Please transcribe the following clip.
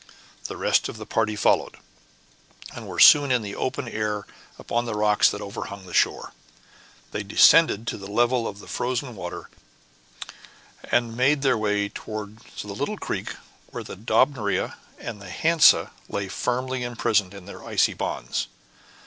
The rest of the party followed, and were soon in the open air upon the rocks that overhung the shore. They descended to the level of the frozen water and made their way towards the little creek where the Dobryna and the Hansa lay firmly imprisoned in their icy bonds.